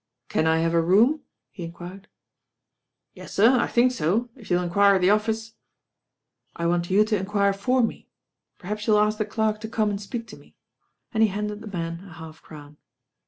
"Can I have a room?" he enquired. "Yes, sir, I think so, if you'll enquire at the of fice." "I want you to enquire for me. Perhaps you'll ask the clerk to come and speak to me," and he handed the man a half crown.